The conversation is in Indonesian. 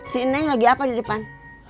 si neng lagi apa di depan